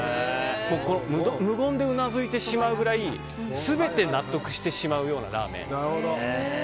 無言でうなずいてしまうぐらい全て納得してしまうようなラーメン。